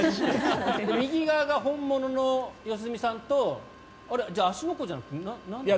右側が本物の良純さんとじゃあ、芦ノ湖じゃなくて何？